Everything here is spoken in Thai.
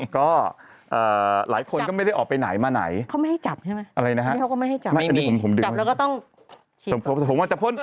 ก็หลายคนก็ไม่ได้ออกไปไหนมาไหนเขาไม่ให้จับใช่ไหมไม่มีจับแล้วก็ต้องชิบ